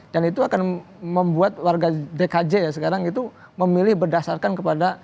dan itu akan membuat warga dkj ya sekarang itu memilih berdasarkan kepada